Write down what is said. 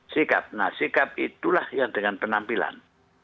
sikap nah sikap itulah yang dengan penampilan